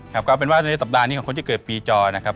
ก็เป็นว่าในสัปดาห์นี้ของคนที่เกิดปีจอนะครับ